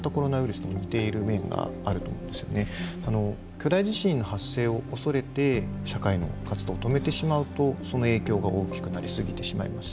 巨大地震の発生を恐れて社会の活動を止めてしまうとその影響が大きくなり過ぎてしまいます。